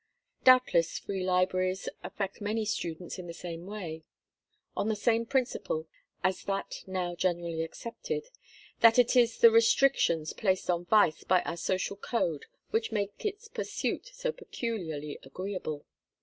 Doubtless Free Libraries affect many students in the same way: on the same principle as that now generally accepted—that it is the restrictions placed on vice by our social code which make its pursuit so peculiarly agreeable.